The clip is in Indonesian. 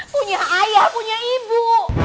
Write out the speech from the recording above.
punya ayah punya ibu